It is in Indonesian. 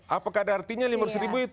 apakah ada artinya lima ratus ribu itu